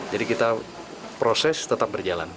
jadi kita proses tetap berjalan